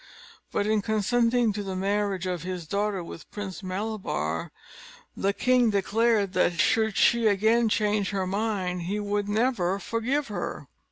But in consenting to the marriage of his daughter with Prince Malabar, the king declared that, should she again change her mind, he would never forgive her.